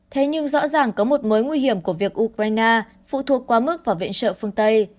thế nhưng rõ ràng có một mối nguy hiểm của việc ukraine phụ thuộc quá mức vào viện trợ phương tây